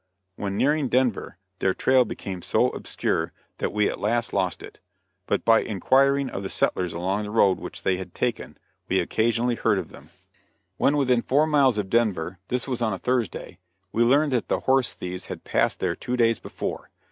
When nearing Denver their trail became so obscure that we at last lost it; but by inquiring of the settlers along the road which they had taken, we occasionally heard of them. When within four miles of Denver this was on a Thursday we learned that the horse thieves had passed there two days before.